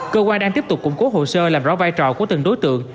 cơ quan đang tiếp tục củng cố hồ sơ làm rõ vai trò của từng đối tượng